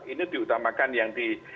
ini diutamakan yang diadakan